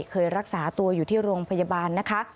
เคยรักษาตัวอยู่ที่โรงพยาบาลนะคะ